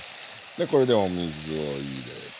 でこれでお水を入れて。